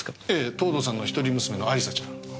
藤堂さんの一人娘の亜里沙ちゃん９歳。